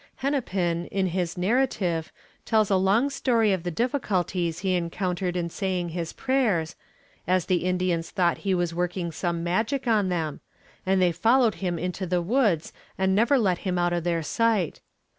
Hennepin, in his narrative, tells a long story of the difficulties he encountered in saying his prayers, as the Indians thought he was working some magic on them, and they followed him into the woods, and never let him out of their sight.